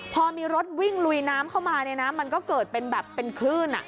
พอมีรถวิ่งลุยน้ำเข้ามาเนี่ยนะมันก็เกิดเป็นแบบเป็นคลื่น